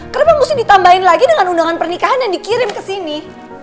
kenapa mesti ditambahin lagi dengan undangan pernikahan yang dikirim ke sini